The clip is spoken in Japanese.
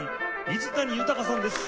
水谷豊さんです。